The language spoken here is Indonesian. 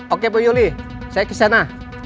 oke bu yoli saya kesana